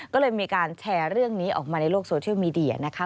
ก็เลยมีการแชร์เรื่องนี้ออกมาในโลกโซเชียลมีเดียนะคะ